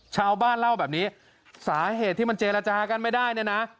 ชาวบ้านเล่าแบบนี้สาเหตุที่มันเจรจากันไม่ได้เนี่ยนะ